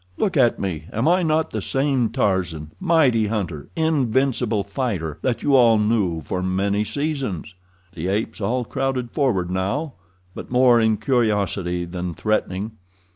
Look at me! Am I not the same Tarzan—mighty hunter—invincible fighter—that you all knew for many seasons?" The apes all crowded forward now, but more in curiosity than threatening.